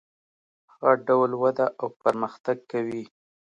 هغه ډول وده او پرمختګ کوي.